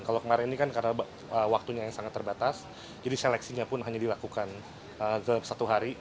kalau kemarin ini kan karena waktunya yang sangat terbatas jadi seleksinya pun hanya dilakukan satu hari